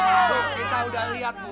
ibu kita sudah lihat bu